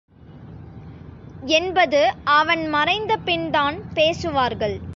என்பது அவன் மறைந்தபின்தான் பேசுவார்கள்.